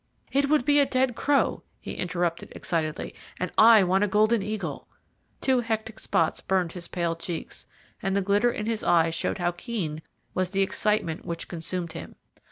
'" "It would be a dead crow," he interrupted excitedly, "and I want a golden eagle." Two hectic spots burned his pale cheeks, and the glitter in his eye showed how keen was the excitement which consumed him.